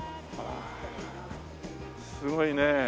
すごいね。